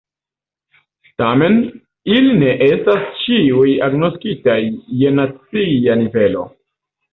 Tamen, ili ne estas ĉiuj agnoskitaj je nacia nivelo.